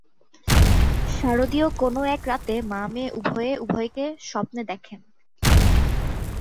শারদীয় কোনো এক রাতে মা-মেয়ে উভয়ে উভয়কে স্বপ্নে দেখেন।